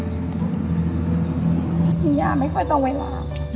พี่ย่าไม่ค่อยต้องไว้หลาก